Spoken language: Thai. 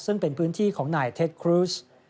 ซึ่งเป็นพื้นที่ของนายเท็จครูช